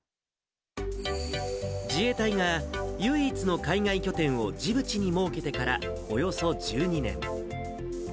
自衛隊が唯一の海外拠点をジブチに設けてからおよそ１２年。